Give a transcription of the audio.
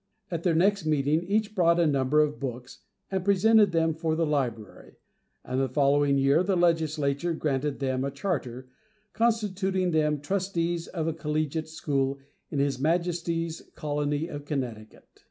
At their next meeting each brought a number of books, and presented them for the library, and the following year the Legislature granted them a charter, constituting them "Trustees of a Collegiate School in his Majesty's Colony of Connecticut."